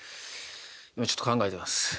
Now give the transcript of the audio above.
今ちょっと考えてます。